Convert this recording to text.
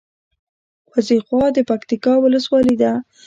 وازېخواه د پکتیکا ولسوالي ده